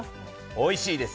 おいしいです！